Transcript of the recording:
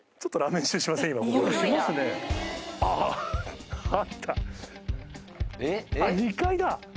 あっ２階だ！